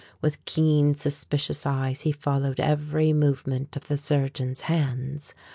With keen, suspicious eyes he followed every movement of the surgeons' hands.